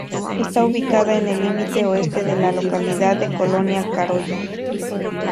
Está ubicada en el límite oeste de la localidad de Colonia Caroya.